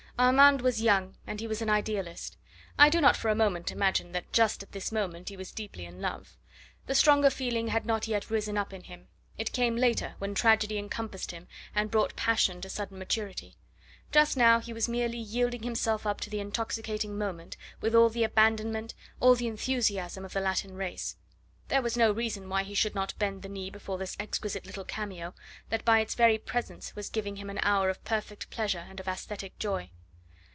Armand was young and he was an idealist. I do not for a moment imagine that just at this moment he was deeply in love. The stronger feeling had not yet risen up in him; it came later when tragedy encompassed him and brought passion to sudden maturity. Just now he was merely yielding himself up to the intoxicating moment, with all the abandonment, all the enthusiasm of the Latin race. There was no reason why he should not bend the knee before this exquisite little cameo, that by its very presence was giving him an hour of perfect pleasure and of aesthetic joy.